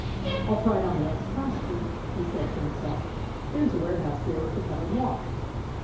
"I 'll try it on the next cross street" he said to himself. "There is a warehouse there with a covered walk."